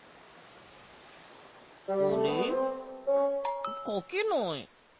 あれ？かけない。